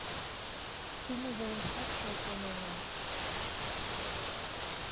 Тумо волешат шолтен онал